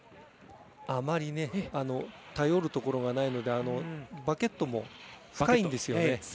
あまり頼るところがないのでバケットも深いんですよ。